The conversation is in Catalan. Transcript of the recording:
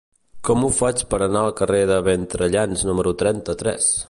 Com ho faig per anar al carrer de Bertrellans número trenta-tres?